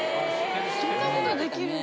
そんなことできるんだ。